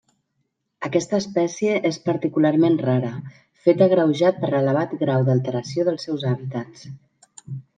Aquesta espècie és particularment rara, fet agreujat per l'elevat grau d'alteració dels seus hàbitats.